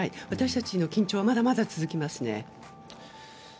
私たちの緊張はまだまだ続きますね。